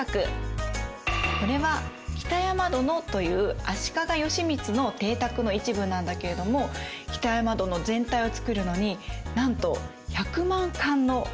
これは北山殿という足利義満の邸宅の一部なんだけれども北山殿全体を造るのになんと１００万貫のお金が使われています。